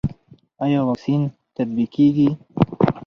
آیا واکسین تطبیقیږي؟